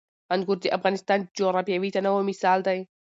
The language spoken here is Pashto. انګور د افغانستان د جغرافیوي تنوع مثال دی.